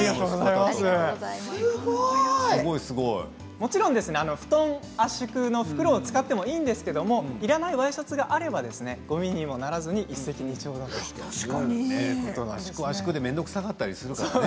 もちろん布団、圧縮の袋を使ってもいいんですけれどもいらないワイシャツがあればごみにもならないし一石二鳥ですね。